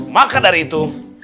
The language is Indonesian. maka dari itu